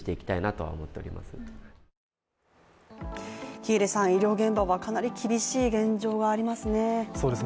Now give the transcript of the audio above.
喜入さん、医療現場はかなり厳しい現状がありますね。